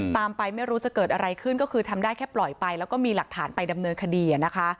ตามไปไม่รู้จะเกิดอะไรขึ้นก็คือทำได้แค่ปล่อยไปแล้วก็มีหลักฐานไปดำเนินคดีนะคะ